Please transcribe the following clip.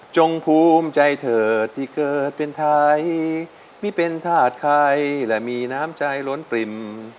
ภูมิใจเธอที่เกิดเป็นไทยไม่เป็นธาตุใครและมีน้ำใจล้นปริ่ม